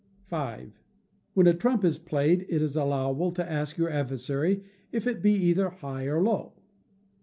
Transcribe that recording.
v. When a trump is played, it is allowable to ask your adversary if it be either high or low.